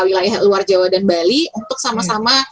wilayah luar jawa dan bali untuk sama sama